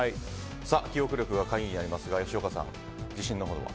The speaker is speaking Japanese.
記憶力が鍵になりますが吉岡さん、自信のほどは？